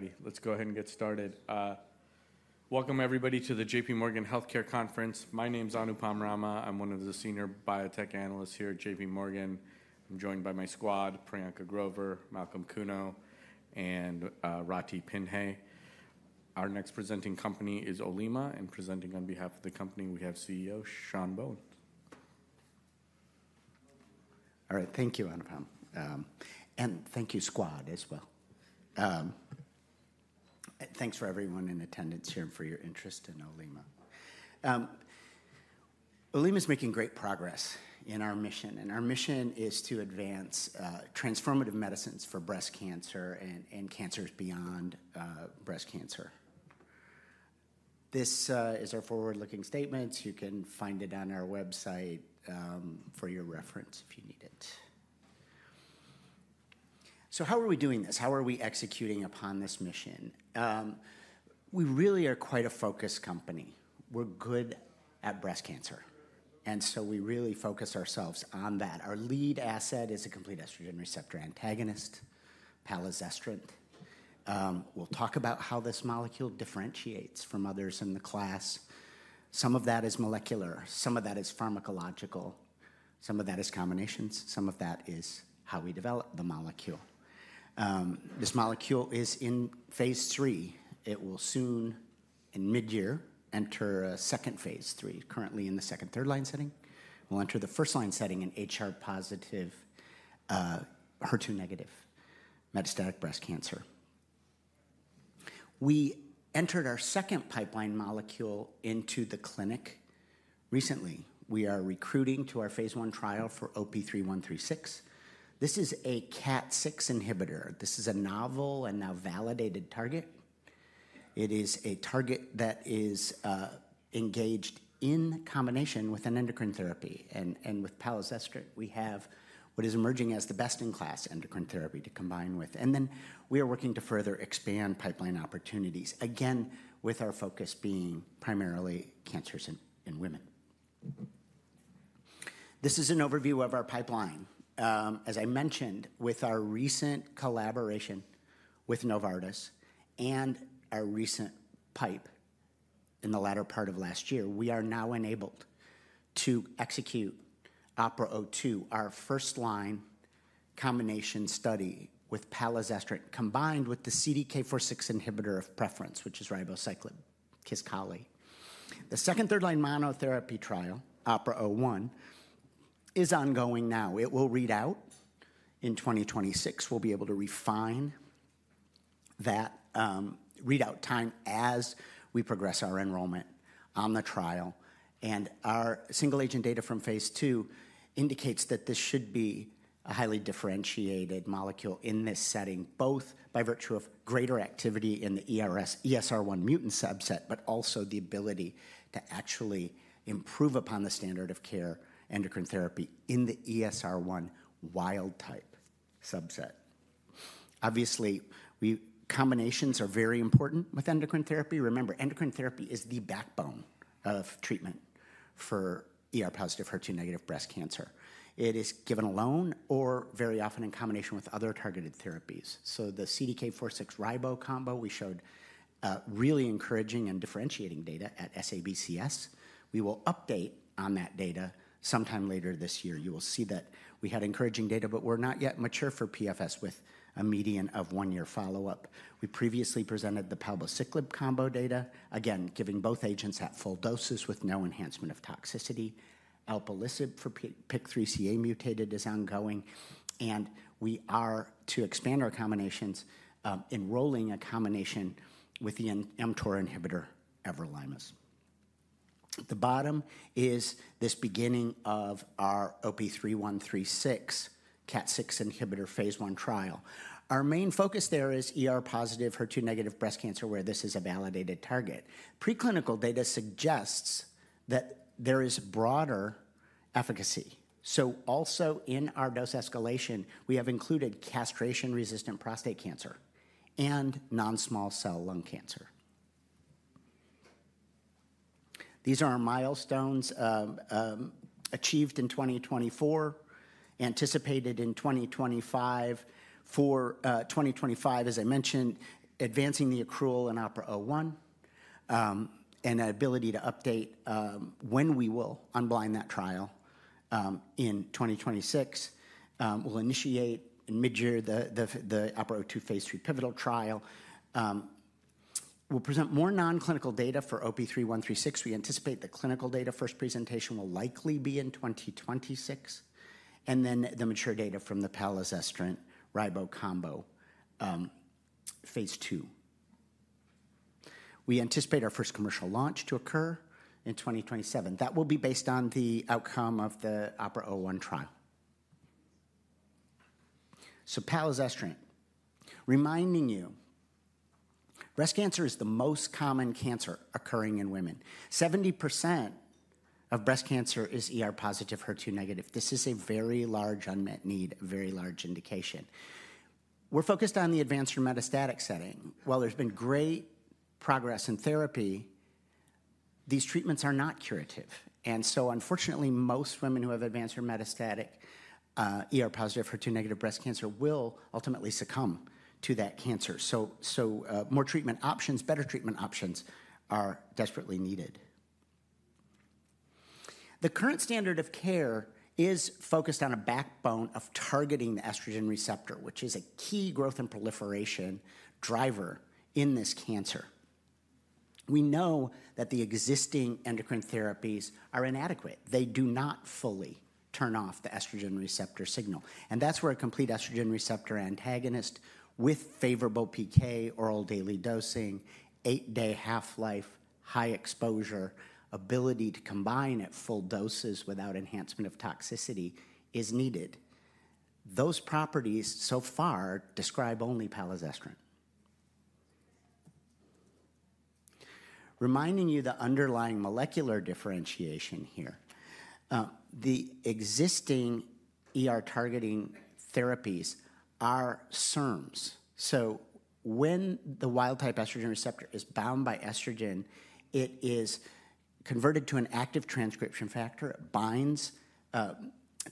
Alrighty, let's go ahead and get started. Welcome, everybody, to the JPMorgan Healthcare Conference. My name is Anupam Rama. I'm one of the Senior Biotech Analysts here at JPMorgan. I'm joined by my squad: Priyanka Grover, Malcolm Kuno, and Ratih Pinhay. Our next presenting company is Olema, and presenting on behalf of the company, we have CEO Sean Bohen. Alright, thank you, Anupam. And thank you, squad, as well. Thanks for everyone in attendance here and for your interest in Olema. Olema is making great progress in our mission, and our mission is to advance transformative medicines for breast cancer and cancers beyond breast cancer. This is our forward-looking statement. You can find it on our website for your reference if you need it. So how are we doing this? How are we executing upon this mission? We really are quite a focused company. We're good at breast cancer, and so we really focus ourselves on that. Our lead asset is a complete estrogen receptor antagonist, palazestrant. We'll talk about how this molecule differentiates from others in the class. Some of that is molecular. Some of that is pharmacological. Some of that is combinations. Some of that is how we develop the molecule. This molecule is in phase III. It will soon, in mid-year, enter a second phase III, currently in the second third-line setting. We'll enter the first-line setting in HR-positive, HER2-negative metastatic breast cancer. We entered our second pipeline molecule into the clinic recently. We are recruiting to our phase I trial for OP-3136. This is a KAT6 inhibitor. This is a novel and now validated target. It is a target that is engaged in combination with an endocrine therapy, and with palazestrant, we have what is emerging as the best-in-class endocrine therapy to combine with. Then we are working to further expand pipeline opportunities, again, with our focus being primarily cancers in women. This is an overview of our pipeline. As I mentioned, with our recent collaboration with Novartis and our recent IPO in the latter part of last year, we are now enabled to execute OPERA-02, our first-line combination study with palazestrant, combined with the CDK4/6 inhibitor of preference, which is ribociclib/Kisqali. The second- and third-line monotherapy trial, OPERA-01, is ongoing now. It will read out in 2026. We'll be able to refine that readout time as we progress our enrollment on the trial. And our single-agent data from phase II indicates that this should be a highly differentiated molecule in this setting, both by virtue of greater activity in the ESR1 mutant subset, but also the ability to actually improve upon the standard of care endocrine therapy in the ESR1 wild-type subset. Obviously, combinations are very important with endocrine therapy. Remember, endocrine therapy is the backbone of treatment for ER-positive, HER2-negative breast cancer. It is given alone or very often in combination with other targeted therapies. So the CDK4/6 ribo combo, we showed really encouraging and differentiating data at SABCS. We will update on that data sometime later this year. You will see that we had encouraging data, but we're not yet mature for PFS with a median of one-year follow-up. We previously presented the palbociclib combo data, again, giving both agents at full doses with no enhancement of toxicity. Alpelisib for PIK3CA mutated is ongoing, and we are to expand our combinations, enrolling a combination with the mTOR inhibitor, everolimus. At the bottom is this beginning of our OP-3136 KAT6 inhibitor phase I trial. Our main focus there is ER-positive, HER2-negative breast cancer, where this is a validated target. Preclinical data suggests that there is broader efficacy. So also in our dose escalation, we have included castration-resistant prostate cancer and non-small cell lung cancer. These are our milestones achieved in 2024, anticipated in 2025. For 2025, as I mentioned, advancing the accrual in OPERA-01 and the ability to update when we will unblind that trial in 2026. We'll initiate in mid-year the OPERA-02 phase III pivotal trial. We'll present more non-clinical data for OP-3136. We anticipate the clinical data first presentation will likely be in 2026, and then the mature data from the palazestrant ribo combo phase II. We anticipate our first commercial launch to occur in 2027. That will be based on the outcome of the OPERA-01 trial. So palazestrant, reminding you, breast cancer is the most common cancer occurring in women. 70% of breast cancer is ER-positive, HER2-negative. This is a very large unmet need, a very large indication. We're focused on the advanced metastatic setting. While there's been great progress in therapy, these treatments are not curative. And so unfortunately, most women who have advanced metastatic ER-positive, HER2-negative breast cancer will ultimately succumb to that cancer. So more treatment options, better treatment options are desperately needed. The current standard of care is focused on a backbone of targeting the estrogen receptor, which is a key growth and proliferation driver in this cancer. We know that the existing endocrine therapies are inadequate. They do not fully turn off the estrogen receptor signal. And that's where a complete estrogen receptor antagonist with favorable PK, oral daily dosing, eight-day half-life, high exposure, ability to combine at full doses without enhancement of toxicity is needed. Those properties so far describe only palazestrant. Reminding you the underlying molecular differentiation here. The existing ER-targeting therapies are SERMs. When the wild-type estrogen receptor is bound by estrogen, it is converted to an active transcription factor, binds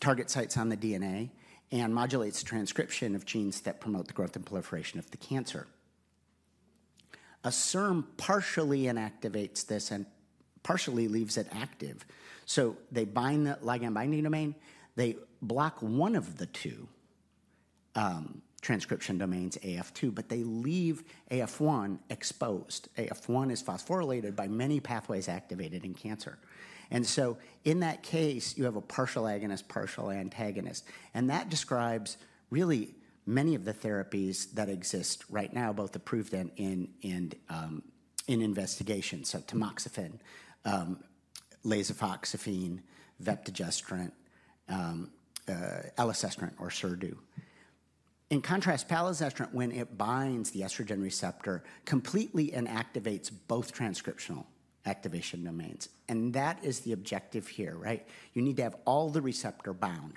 target sites on the DNA, and modulates transcription of genes that promote the growth and proliferation of the cancer. A SERM partially inactivates this and partially leaves it active. So they bind the ligand-binding domain. They block one of the two transcription domains, AF2, but they leave AF1 exposed. AF1 is phosphorylated by many pathways activated in cancer. And so in that case, you have a partial agonist, partial antagonist. And that describes really many of the therapies that exist right now, both approved and in investigation. So tamoxifen, lasofoxifene, vepdegestrant, elacestrant, Orserdu. In contrast, palazestrant, when it binds the estrogen receptor, completely inactivates both transcriptional activation domains. And that is the objective here, right? You need to have all the receptor bound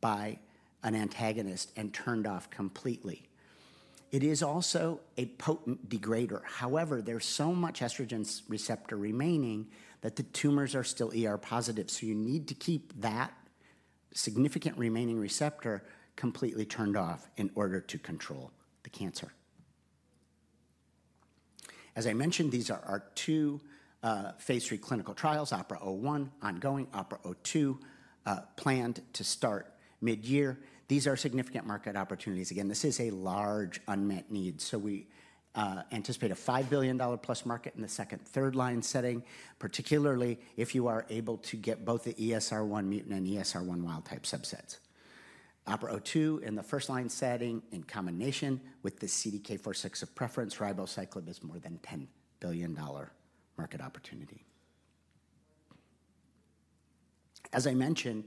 by an antagonist and turned off completely. It is also a potent degrader. However, there's so much estrogen receptor remaining that the tumors are still ER-positive. So you need to keep that significant remaining receptor completely turned off in order to control the cancer. As I mentioned, these are our two phase III clinical trials, OPERA-01 ongoing, OPERA-02 planned to start mid-year. These are significant market opportunities. Again, this is a large unmet need. So we anticipate a $5 billion plus market in the second/third-line setting, particularly if you are able to get both the ESR1 mutant and ESR1 wild-type subsets. OPERA-02 in the first-line setting in combination with the CDK4/6 of preference, ribociclib is more than $10 billion market opportunity. As I mentioned,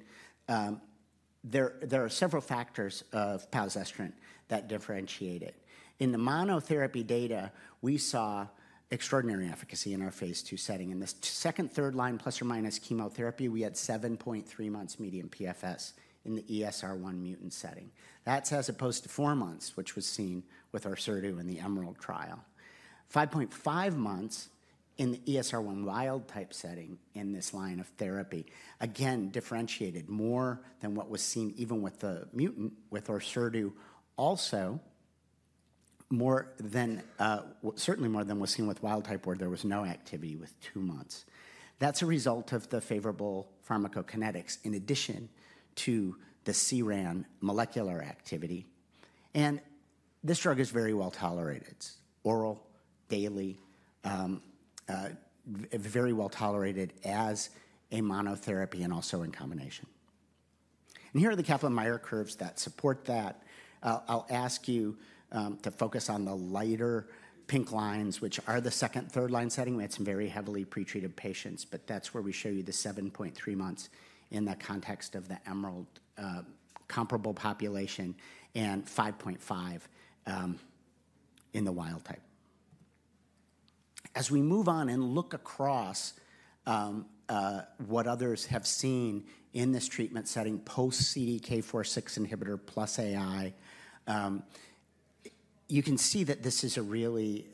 there are several factors of palazestrant that differentiate it. In the monotherapy data, we saw extraordinary efficacy in our phase II setting. In the second- and third-line, plus or minus chemotherapy, we had 7.3 months median PFS in the ESR1 mutant setting. That's as opposed to four months, which was seen with Orserdu in the EMERALD trial. 5.5 months in the ESR1 wild-type setting in this line of therapy, again, differentiated more than what was seen even with the mutant with Orserdu, also certainly more than was seen with wild-type where there was no activity with two months. That's a result of the favorable pharmacokinetics in addition to the CERAN molecular activity. And this drug is very well tolerated. It's oral, daily, very well tolerated as a monotherapy and also in combination. And here are the Kaplan-Meier curves that support that. I'll ask you to focus on the lighter pink lines, which are the second- and third-line setting. We had some very heavily pretreated patients, but that's where we show you the 7.3 months in the context of the EMERALD comparable population and 5.5 in the wild-type. As we move on and look across what others have seen in this treatment setting post-CDK4/6 inhibitor plus AI, you can see that this is a really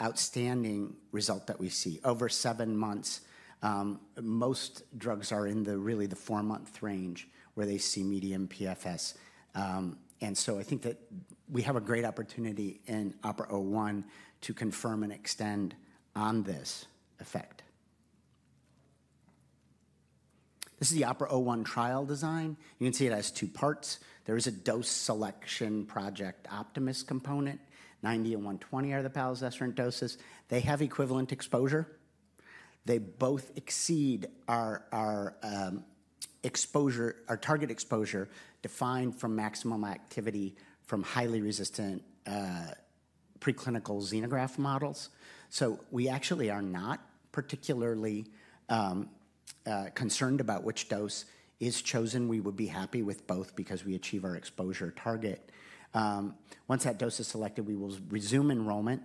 outstanding result that we see. Over seven months, most drugs are in the really the four-month range where they see median PFS, and so I think that we have a great opportunity in OPERA-01 to confirm and extend on this effect. This is the OPERA-01 trial design. You can see it has two parts. There is a dose selection Project Optimist component. 90 and 120 are the palazestrant doses. They have equivalent exposure. They both exceed our target exposure defined from maximum activity from highly resistant preclinical xenograft models. We actually are not particularly concerned about which dose is chosen. We would be happy with both because we achieve our exposure target. Once that dose is selected, we will resume enrollment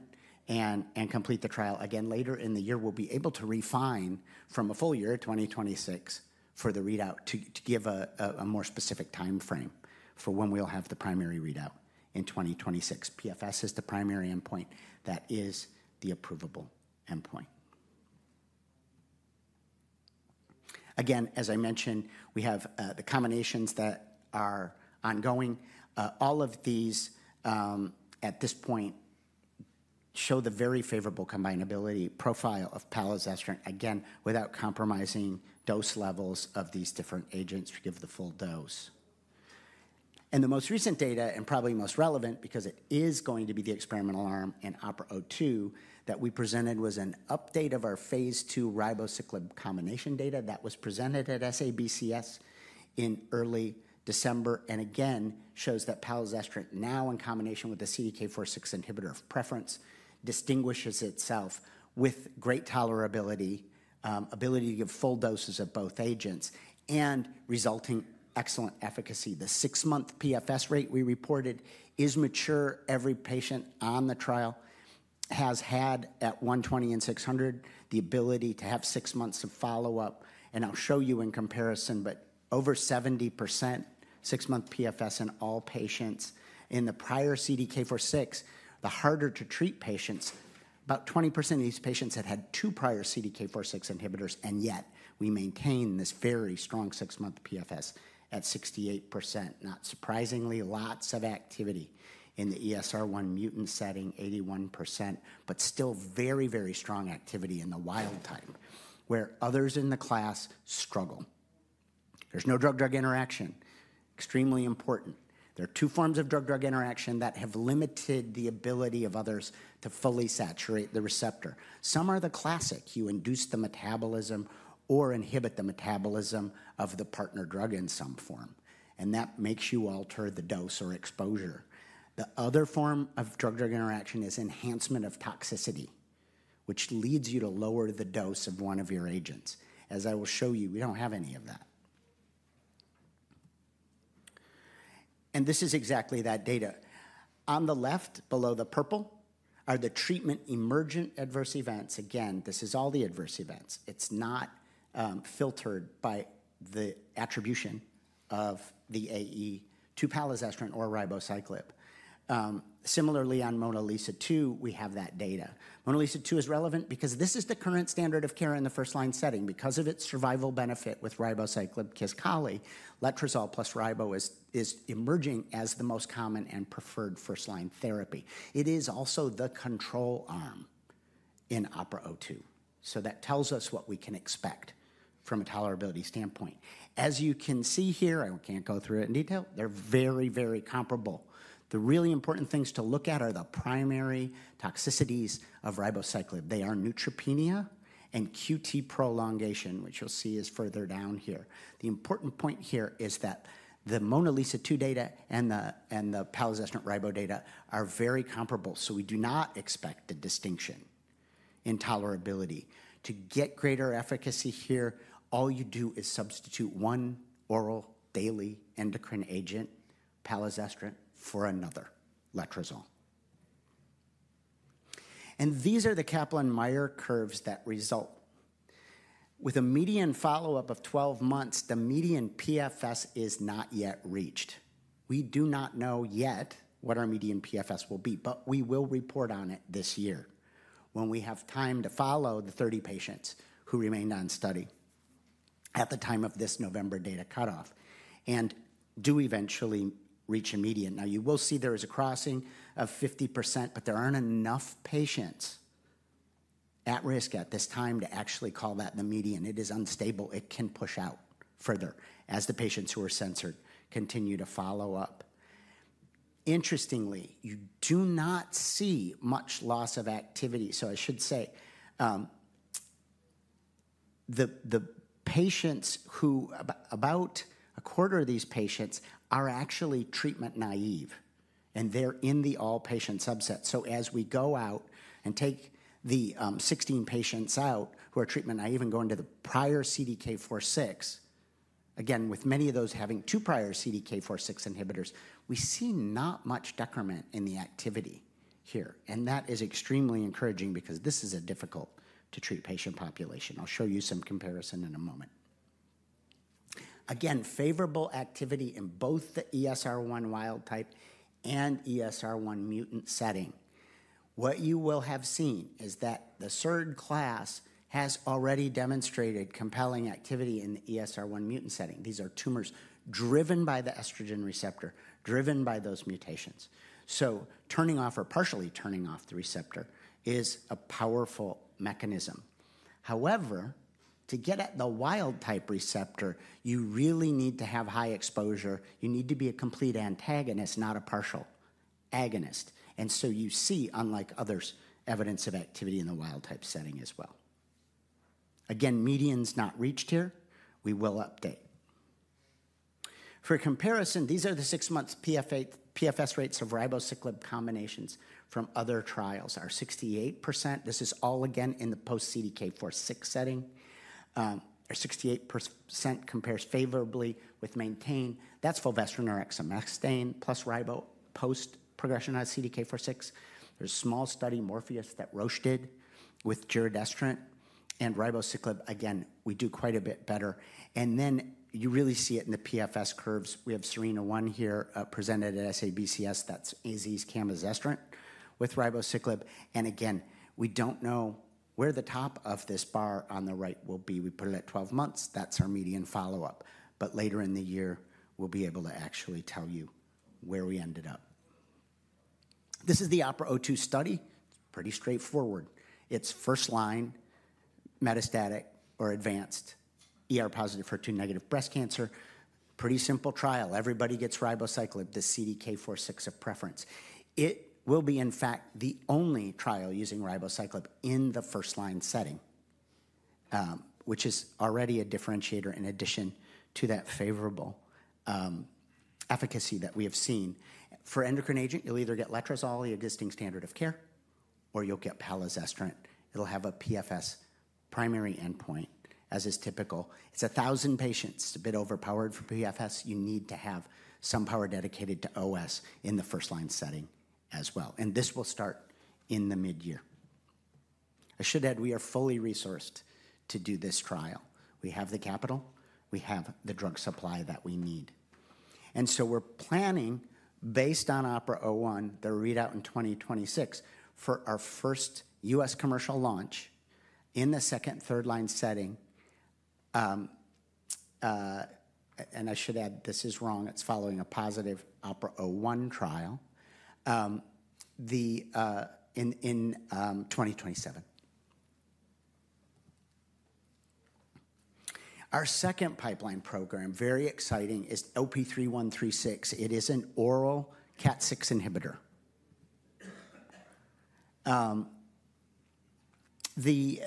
and complete the trial. Again, later in the year, we'll be able to refine from a full year, 2026, for the readout to give a more specific timeframe for when we'll have the primary readout in 2026. PFS is the primary endpoint. That is the approvable endpoint. Again, as I mentioned, we have the combinations that are ongoing. All of these at this point show the very favorable combinability profile of palazestrant, again, without compromising dose levels of these different agents to give the full dose. And the most recent data and probably most relevant because it is going to be the experimental arm in OPERA-02 that we presented was an update of our phase II ribociclib combination data that was presented at SABCS in early December and again shows that palazestrant now in combination with the CDK4/6 inhibitor of preference distinguishes itself with great tolerability, ability to give full doses of both agents, and resulting excellent efficacy. The six-month PFS rate we reported is mature. Every patient on the trial has had, at 120 and 600, the ability to have six months of follow-up. And I'll show you in comparison, but over 70% six-month PFS in all patients. In the prior CDK4/6, the harder to treat patients, about 20% of these patients had had two prior CDK4/6 inhibitors, and yet we maintain this very strong six-month PFS at 68%. Not surprisingly, lots of activity in the ESR1 mutant setting, 81%, but still very, very strong activity in the wild-type where others in the class struggle. There's no drug-drug interaction. Extremely important. There are two forms of drug-drug interaction that have limited the ability of others to fully saturate the receptor. Some are the classic. You induce the metabolism or inhibit the metabolism of the partner drug in some form, and that makes you alter the dose or exposure. The other form of drug-drug interaction is enhancement of toxicity, which leads you to lower the dose of one of your agents. As I will show you, we don't have any of that. And this is exactly that data. On the left, below the purple are the treatment emergent adverse events. Again, this is all the adverse events. It's not filtered by the attribution of the AE to palazestrant or ribociclib. Similarly, on MONALEESA-2, we have that data. MONALEESA-2 is relevant because this is the current standard of care in the first-line setting. Because of its survival benefit with ribociclib, Kisqali, letrozole plus ribo is emerging as the most common and preferred first-line therapy. It is also the control arm in OPERA-02. So that tells us what we can expect from a tolerability standpoint. As you can see here, I can't go through it in detail. They're very, very comparable. The really important things to look at are the primary toxicities of ribociclib. They are neutropenia and QT prolongation, which you'll see is further down here. The important point here is that the MONALEESA-2 data and the palazestrant ribo data are very comparable. So we do not expect the distinction in tolerability. To get greater efficacy here, all you do is substitute one oral daily endocrine agent, palazestrant, for another, letrozole. These are the Kaplan-Meier curves that result. With a median follow-up of 12 months, the median PFS is not yet reached. We do not know yet what our median PFS will be, but we will report on it this year when we have time to follow the 30 patients who remained on study at the time of this November data cutoff and do eventually reach a median. Now, you will see there is a crossing of 50%, but there aren't enough patients at risk at this time to actually call that the median. It is unstable. It can push out further as the patients who are censored continue to follow up. Interestingly, you do not see much loss of activity. So I should say that about a quarter of these patients are actually treatment naive, and they're in the all-patient subset. So as we go out and take the 16 patients out who are treatment naive and go into the prior CDK4/6, again, with many of those having two prior CDK4/6 inhibitors, we see not much decrement in the activity here. And that is extremely encouraging because this is a difficult-to-treat patient population. I'll show you some comparison in a moment. Again, favorable activity in both the ESR1 wild-type and ESR1 mutant setting. What you will have seen is that the SERD class has already demonstrated compelling activity in the ESR1 mutant setting. These are tumors driven by the estrogen receptor, driven by those mutations. So turning off or partially turning off the receptor is a powerful mechanism. However, to get at the wild-type receptor, you really need to have high exposure. You need to be a complete antagonist, not a partial agonist, and so you see, unlike others, evidence of activity in the wild-type setting as well. Again, median's not reached here. We will update. For comparison, these are the six-month PFS rates of ribociclib combinations from other trials. Our 68%, this is all again in the post-CDK4/6 setting. Our 68% compares favorably with MONALEESA. That's fulvestrant or exemestane plus ribo post-progression on CDK4/6. There's a small study MORPHEUS that Roche did with giredestrant and ribociclib. Again, we do quite a bit better, and then you really see it in the PFS curves. We have SERENA-1 here presented at SABCS. That's camizestrant with ribociclib, and again, we don't know where the top of this bar on the right will be. We put it at 12 months. That's our median follow-up. But later in the year, we'll be able to actually tell you where we ended up. This is the OPERA-02 study. It's pretty straightforward. It's first-line metastatic or advanced ER-positive HER2-negative breast cancer. Pretty simple trial. Everybody gets ribociclib, the CDK4/6 of preference. It will be, in fact, the only trial using ribociclib in the first-line setting, which is already a differentiator in addition to that favorable efficacy that we have seen. For endocrine agent, you'll either get letrozole, the existing standard of care, or you'll get palazestrant. It'll have a PFS primary endpoint as is typical. It's 1,000 patients. It's a bit overpowered for PFS. You need to have some power dedicated to OS in the first-line setting as well. And this will start in the mid-year. I should add we are fully resourced to do this trial. We have the capital. We have the drug supply that we need, and so we're planning based on OPERA-01, the readout in 2026 for our first U.S. commercial launch in the second/third-line setting, and I should add this is wrong. It's following a positive OPERA-01 trial in 2027. Our second pipeline program, very exciting, is OP-3136. It is an oral KAT6 inhibitor. The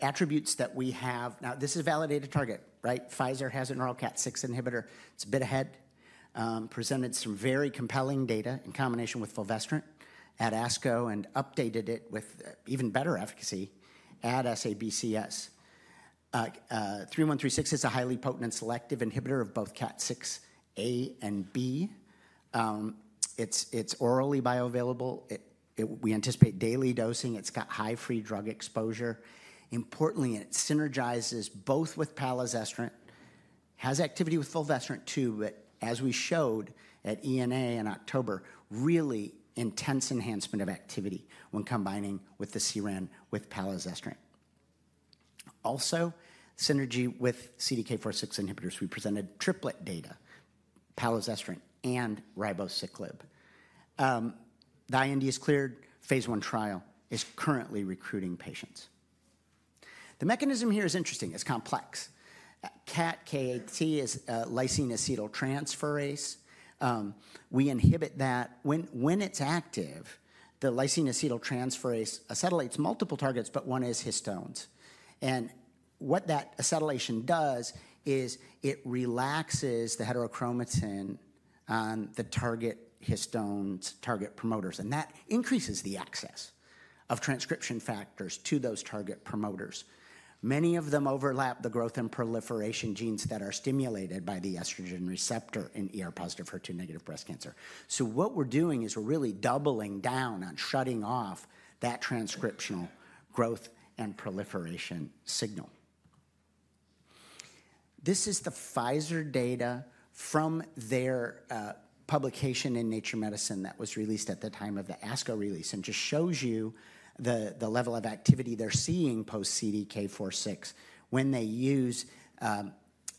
attributes that we have now, this is a validated target, right? Pfizer has an oral KAT6 inhibitor. It's a bit ahead. Presented some very compelling data in combination with fulvestrant at ASCO and updated it with even better efficacy at SABCS. OP-3136 is a highly potent selective inhibitor of both KAT6 A and B. It's orally bioavailable. We anticipate daily dosing. It's got high free drug exposure. Importantly, it synergizes both with palazestrant, has activity with fulvestrant too, but as we showed at ENA in October, really intense enhancement of activity when combining with the SERD with palazestrant. Also, synergy with CDK4/6 inhibitors. We presented triplet data, palazestrant and ribociclib. The IND is cleared. Phase I trial is currently recruiting patients. The mechanism here is interesting. It's complex. KAT6 is lysine acetyltransferase. We inhibit that. When it's active, the lysine acetyltransferase acetylates multiple targets, but one is histones. And what that acetylation does is it relaxes the heterochromatin on the target histones, target promoters. And that increases the access of transcription factors to those target promoters. Many of them overlap the growth and proliferation genes that are stimulated by the estrogen receptor in ER-positive HER2-negative breast cancer. So what we're doing is we're really doubling down on shutting off that transcriptional growth and proliferation signal. This is the Pfizer data from their publication in Nature Medicine that was released at the time of the ASCO release and just shows you the level of activity they're seeing post-CDK4/6 when they use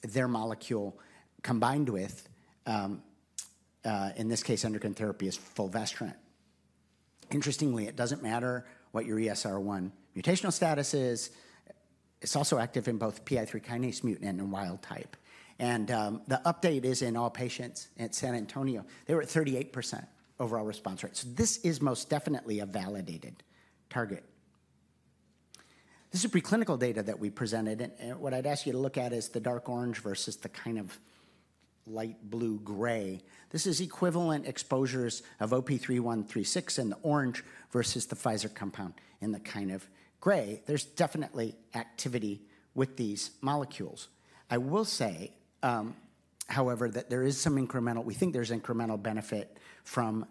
their molecule combined with, in this case, endocrine therapy is fulvestrant. Interestingly, it doesn't matter what your ESR1 mutational status is. It's also active in both PI3 Kinase mutant and wild-type. And the update is in all patients at San Antonio. They were at 38% overall response rate. So this is most definitely a validated target. This is preclinical data that we presented. And what I'd ask you to look at is the dark orange versus the kind of light blue gray. This is equivalent exposures of OP-3136 in the orange versus the Pfizer compound in the kind of gray. There's definitely activity with these molecules. I will say, however, that we think there's incremental benefit from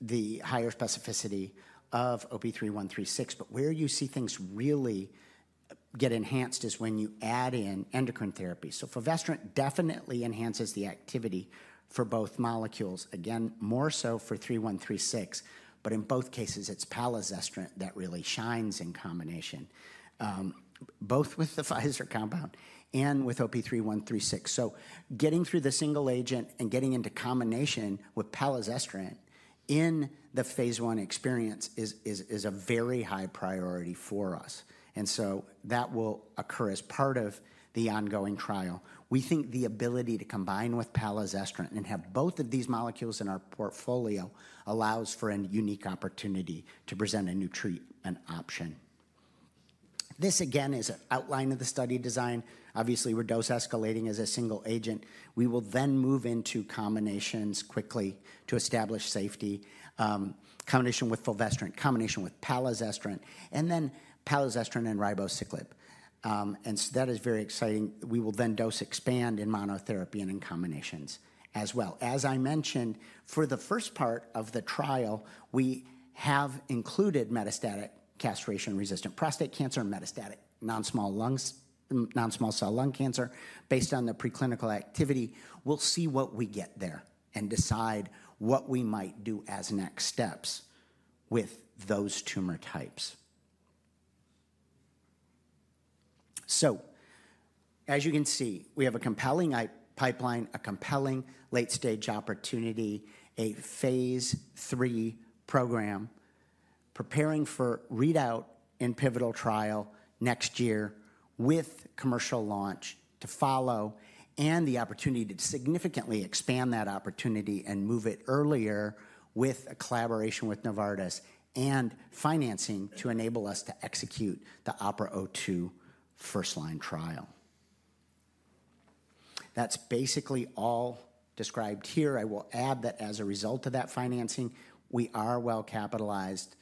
the higher specificity of OP-3136. But where you see things really get enhanced is when you add in endocrine therapy. So fulvestrant definitely enhances the activity for both molecules. Again, more so for 3136. But in both cases, it's palazestrant that really shines in combination, both with the Pfizer compound and with OP-3136. So getting through the single agent and getting into combination with palazestrant in the phase I experience is a very high priority for us. And so that will occur as part of the ongoing trial. We think the ability to combine with palazestrant and have both of these molecules in our portfolio allows for a unique opportunity to present a new treatment option. This, again, is an outline of the study design. Obviously, we're dose escalating as a single agent. We will then move into combinations quickly to establish safety, combination with fulvestrant, combination with palazestrant, and then palazestrant and ribociclib. And that is very exciting. We will then dose expand in monotherapy and in combinations as well. As I mentioned, for the first part of the trial, we have included metastatic castration-resistant prostate cancer and metastatic non-small cell lung cancer based on the preclinical activity. We'll see what we get there and decide what we might do as next steps with those tumor types. So, as you can see, we have a compelling pipeline, a compelling late-stage opportunity, a phase III program preparing for readout in pivotal trial next year with commercial launch to follow and the opportunity to significantly expand that opportunity and move it earlier with a collaboration with Novartis and financing to enable us to execute the OPERA02 first-line trial. That's basically all described here. I will add that as a result of that financing, we are well capitalized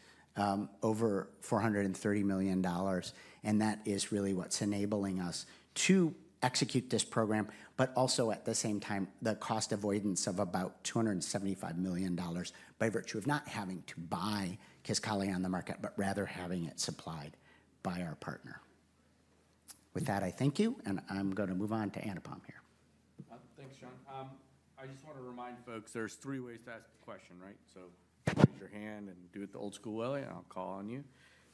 over $430 million, and that is really what's enabling us to execute this program, but also at the same time, the cost avoidance of about $275 million by virtue of not having to buy Kisqali on the market, but rather having it supplied by our partner. With that, I thank you, and I'm going to move on to Anupam here. Thanks, Sean. I just want to remind folks, there's three ways to ask the question, right? So raise your hand and do it the old school way, and I'll call on you.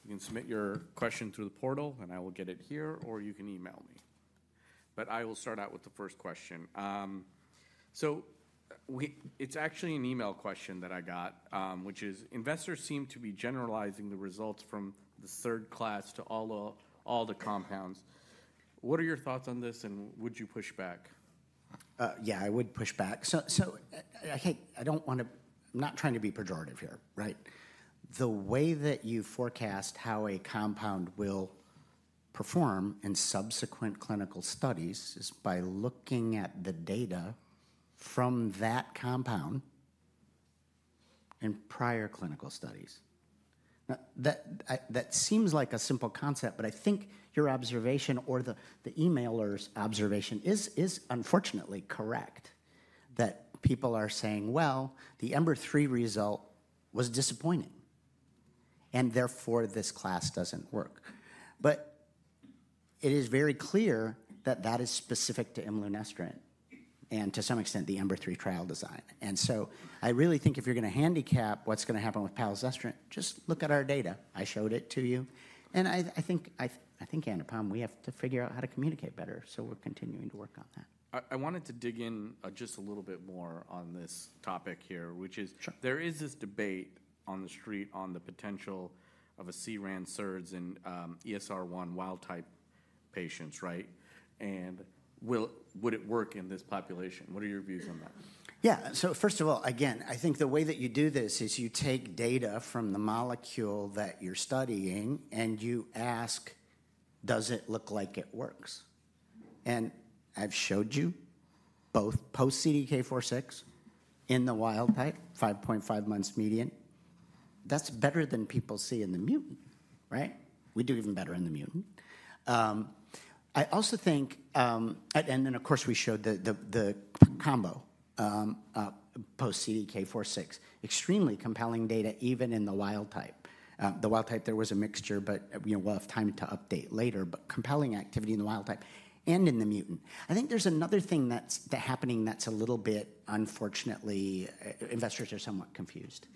You can submit your question through the portal, and I will get it here, or you can email me. But I will start out with the first question. It's actually an email question that I got, which is, "Investors seem to be generalizing the results from the SERD class to all the compounds. What are your thoughts on this, and would you push back?" Yeah, I would push back. I don't want to. I'm not trying to be pejorative here, right? The way that you forecast how a compound will perform in subsequent clinical studies is by looking at the data from that compound in prior clinical studies. That seems like a simple concept, but I think your observation or the emailer's observation is unfortunately correct, that people are saying, "Well, the EMBER-3 result was disappointing, and therefore this class doesn't work." But it is very clear that that is specific to imlunestrant and to some extent the EMBER-3 trial design. And so I really think if you're going to handicap what's going to happen with palazestrant, just look at our data. I showed it to you. And I think, Anupam, we have to figure out how to communicate better. So we're continuing to work on that. I wanted to dig in just a little bit more on this topic here, which is there is this debate on the street on the potential of oral SERDs in ESR1 wild-type patients, right? And would it work in this population? What are your views on that? Yeah. So first of all, again, I think the way that you do this is you take data from the molecule that you're studying and you ask, "Does it look like it works?" And I've showed you both post-CDK4/6 in the wild-type, 5.5 months median. That's better than people see in the mutant, right? We do even better in the mutant. I also think, and then of course we showed the combo post-CDK4/6, extremely compelling data even in the wild-type. The wild-type, there was a mixture, but we'll have time to update later, but compelling activity in the wild-type and in the mutant. I think there's another thing that's happening that's a little bit, unfortunately, investors are somewhat confused.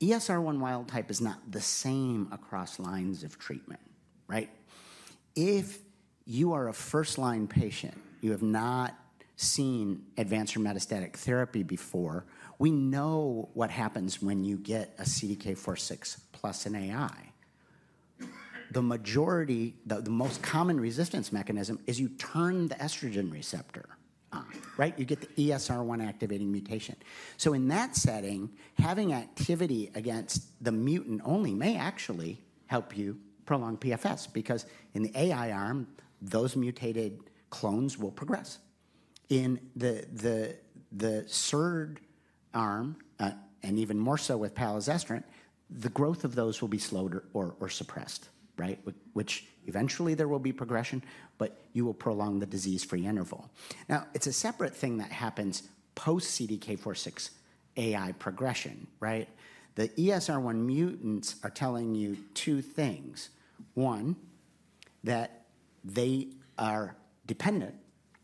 ESR1 wild-type is not the same across lines of treatment, right? If you are a first-line patient, you have not seen advanced or metastatic therapy before. We know what happens when you get a CDK4/6 plus an AI. The majority, the most common resistance mechanism is you turn the estrogen receptor on, right? You get the ESR1 activating mutation. So in that setting, having activity against the mutant only may actually help you prolong PFS because in the AI arm, those mutated clones will progress. In the SERD arm, and even more so with palazestrant, the growth of those will be slowed or suppressed, right? Which eventually there will be progression, but you will prolong the disease-free interval. Now, it's a separate thing that happens post-CDK4/6 AI progression, right? The ESR1 mutants are telling you two things. One, that they are dependent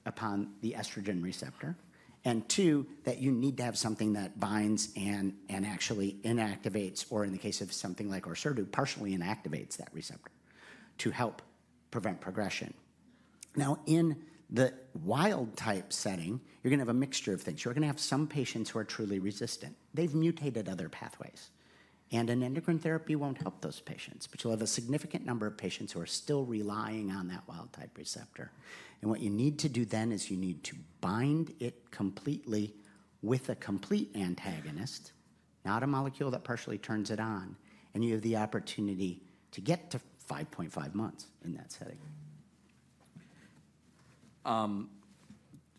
upon the estrogen receptor. And two, that you need to have something that binds and actually inactivates, or in the case of something like our SERD, partially inactivates that receptor to help prevent progression. Now, in the wild-type setting, you're going to have a mixture of things. You're going to have some patients who are truly resistant. They've mutated other pathways. And an endocrine therapy won't help those patients, but you'll have a significant number of patients who are still relying on that wild-type receptor. And what you need to do then is you need to bind it completely with a complete antagonist, not a molecule that partially turns it on, and you have the opportunity to get to 5.5 months in that setting.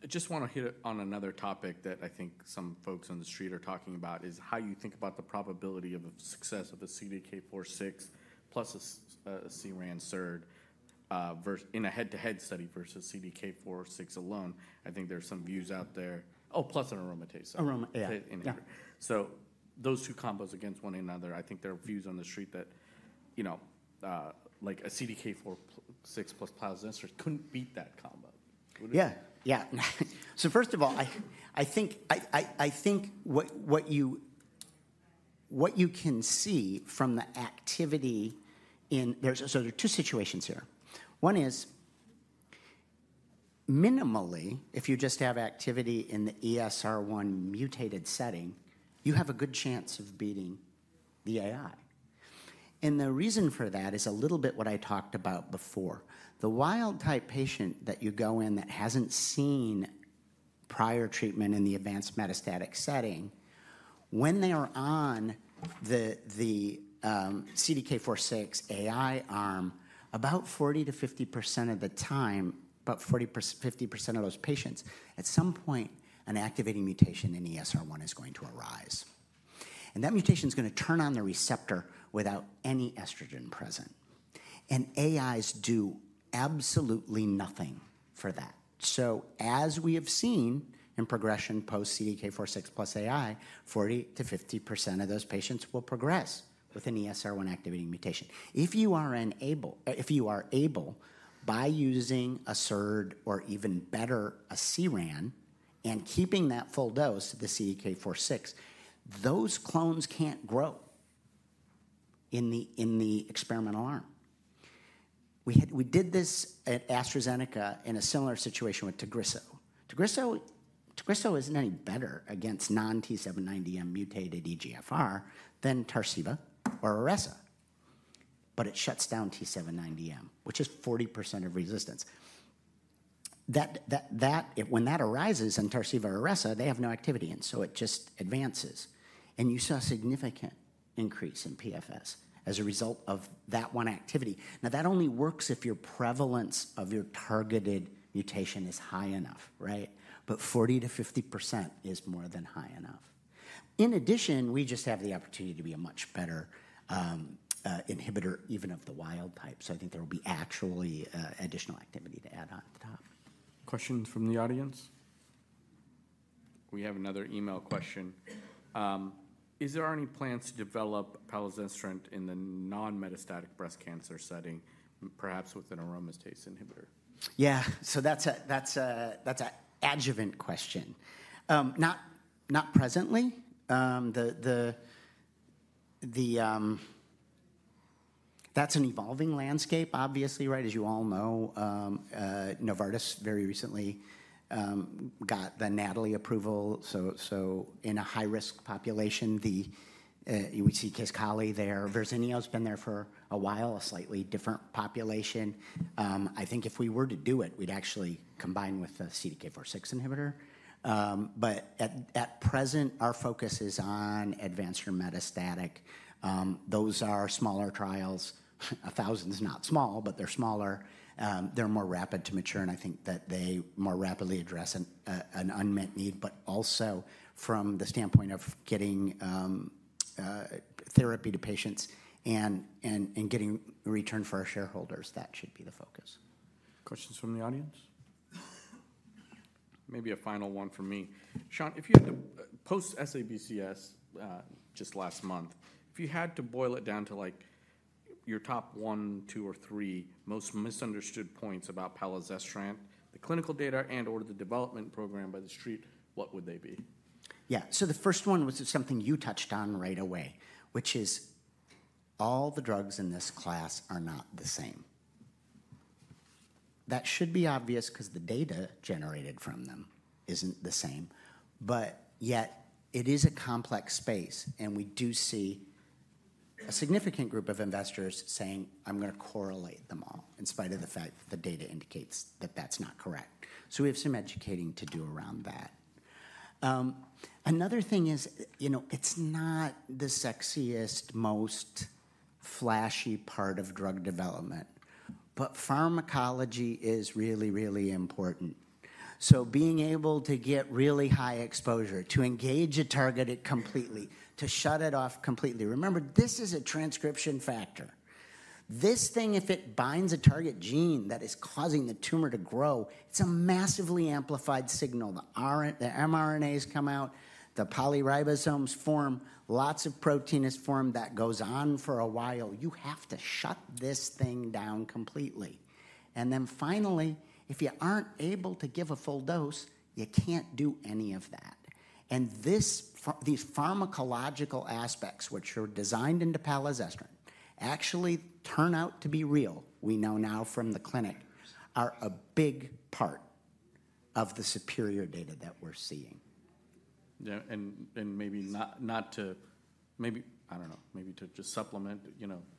I just want to hit on another topic that I think some folks on the street are talking about is how you think about the probability of a success of a CDK4/6 plus a SERD in a head-to-head study versus CDK4/6 alone. I think there's some views out there. Oh, plus an aromatase inhibitor. So those two combos against one another, I think there are views on the street that like a CDK4/6 plus palazestrant couldn't beat that combo. Yeah. Yeah. So first of all, I think what you can see from the activity in so there's two situations here. One is minimally, if you just have activity in the ESR1 mutated setting, you have a good chance of beating the AI, and the reason for that is a little bit what I talked about before. The wild-type patient that you go in that hasn't seen prior treatment in the advanced metastatic setting, when they are on the CDK4/6 AI arm, about 40%-50% of the time, about 40%-50% of those patients, at some point, an activating mutation in ESR1 is going to arise, and that mutation is going to turn on the receptor without any estrogen present, and AIs do absolutely nothing for that, so as we have seen in progression post-CDK4/6 plus AI, 40%-50% of those patients will progress with an ESR1 activating mutation. If you are able by using a SERD or even better, a CERAN, and keeping that full dose of the CDK4/6, those clones can't grow in the experimental arm. We did this at AstraZeneca in a similar situation with Tagrisso. Tagrisso isn't any better against non-T790M mutated EGFR than Tarceva or Iressa. But it shuts down T790M, which is 40% of resistance. When that arises in Tarceva or Iressa, they have no activity. And so it just advances. And you saw a significant increase in PFS as a result of that one activity. Now, that only works if your prevalence of your targeted mutation is high enough, right? But 40%-50% is more than high enough. In addition, we just have the opportunity to be a much better inhibitor even of the wild-type. So I think there will be actually additional activity to add on top. Questions from the audience? We have another email question. Is there any plans to develop palazestrant in the non-metastatic breast cancer setting, perhaps with an aromatase inhibitor? Yeah. So that's an adjuvant question. Not presently. That's an evolving landscape, obviously, right? As you all know, Novartis very recently got the NATALEE approval. So in a high-risk population, we see Kisqali there. Verzenio has been there for a while, a slightly different population. I think if we were to do it, we'd actually combine with a CDK4/6 inhibitor. But at present, our focus is on advanced or metastatic. Those are smaller trials. A thousand is not small, but they're smaller. They're more rapid to mature, and I think that they more rapidly address an unmet need, but also from the standpoint of getting therapy to patients and getting return for our shareholders, that should be the focus. Questions from the audience? Maybe a final one from me. Sean, if you had to post-SABCS just last month, if you had to boil it down to your top one, two, or three most misunderstood points about palazestrant, the clinical data and/or the development program by the street, what would they be? Yeah. So the first one was something you touched on right away, which is all the drugs in this class are not the same. That should be obvious because the data generated from them isn't the same. But yet, it is a complex space, and we do see a significant group of investors saying, "I'm going to correlate them all," in spite of the fact that the data indicates that that's not correct. So we have some educating to do around that. Another thing is it's not the sexiest, most flashy part of drug development, but pharmacology is really, really important. Being able to get really high exposure, to engage a target completely, to shut it off completely. Remember, this is a transcription factor. This thing, if it binds a target gene that is causing the tumor to grow, it's a massively amplified signal. The mRNAs come out, the polyribosomes form, lots of protein is formed that goes on for a while. You have to shut this thing down completely. Then finally, if you aren't able to give a full dose, you can't do any of that. These pharmacological aspects, which are designed into palazestrant, actually turn out to be real, we know now from the clinic, are a big part of the superior data that we're seeing. Maybe not to, I don't know, maybe to just supplement,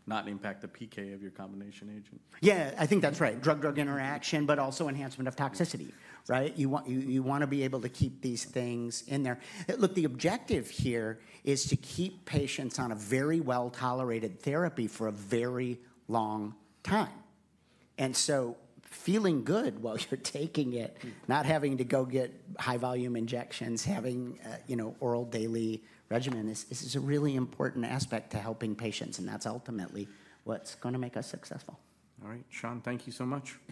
not impact the PK of your combination agent. Yeah, I think that's right. Drug-drug interaction, but also enhancement of toxicity, right? You want to be able to keep these things in there. Look, the objective here is to keep patients on a very well-tolerated therapy for a very long time, and so feeling good while you're taking it, not having to go get high-volume injections, having oral daily regimen is a really important aspect to helping patients, and that's ultimately what's going to make us successful. All right. Sean, thank you so much.